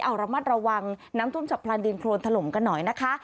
เอาระมัดระวังน้ำท่วมฉับพลันดินโครนถล่มกันหน่อยนะคะ